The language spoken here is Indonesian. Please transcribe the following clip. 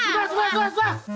sudah sudah sudah sudah